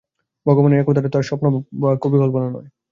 ভগবানের এ কথাটা তো আর স্বপ্ন বা কবিকল্পনা নয়।